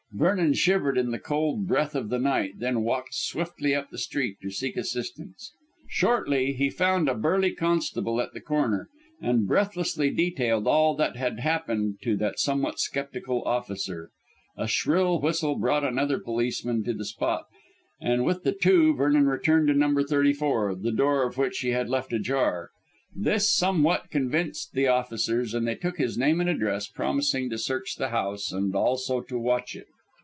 Vernon shivered in the cold breath of the night, then walked swiftly up the street to seek assistance. Shortly he found a burly constable at the corner, and breathlessly detailed all that had happened to that somewhat sceptical officer. A shrill whistle brought another policeman to the spot, and with the two Vernon returned to No. 34, the door of which he had left ajar. This somewhat convinced the officers, and they took his name and address, promising to search the house, and also to watch it.